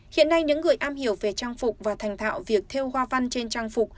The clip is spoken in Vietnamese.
hiện nay những người am hiểu về trang phục và thành thạo việc theo hoa văn trên trang phục